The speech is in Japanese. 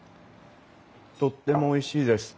とってもおいしいです。